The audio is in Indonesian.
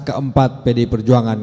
keempat pdi perjuangan